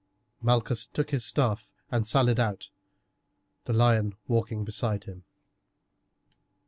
Malchus took his staff and sallied out, the lion walking beside him.